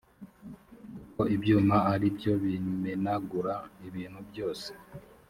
kuko ibyuma ari byo bimenagura ibintu byose